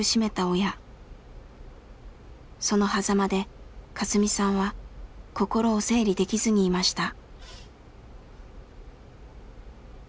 そのはざまでカスミさんは心を整理できずにいました。